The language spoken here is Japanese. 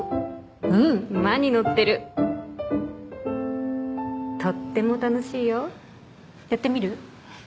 うん馬に乗ってるとっても楽しいよやってみる？